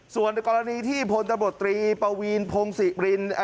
ส่วนกรณีที่พลตบตรีปวีนพงศิริรินทร์